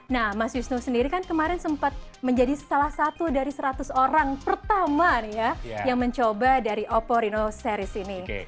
nah mas wisnu sendiri kan kemarin sempat menjadi salah satu dari seratus orang pertama nih ya yang mencoba dari oppo reno series ini